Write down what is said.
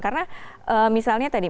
karena misalnya tadi